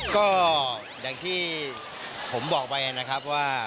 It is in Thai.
ก็อย่างที่ผมบอกไปนะครับว่า